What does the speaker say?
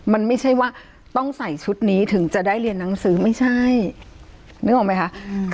มันไม่ใช่ว่าต้องใส่ชุดนี้ถึงจะได้เรียนหนังสือไม่ใช่นึกออกไหมคะ